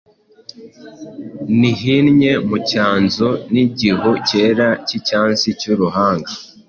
Nihinnye mu cyanzu n’igihu cyera cy’icyansi cy’uruhanga ,